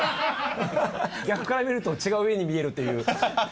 逆から見ると違う絵に見えるっていう。